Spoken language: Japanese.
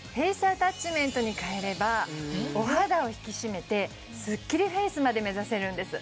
アタッチメントに替えればお肌を引き締めてスッキリフェイスまで目指せるんです